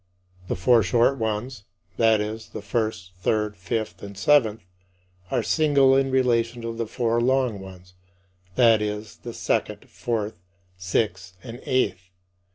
The four short ones that is, the first, third, fifth, and seventh are single in relation to the four long ones that is, the second, fourth, sixth, and eighth.